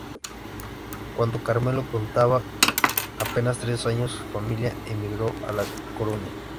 Cuando Carmelo contaba apenas tres años, su familia emigró a La Coruña.